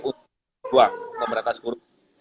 untuk uang pemerintah sekolah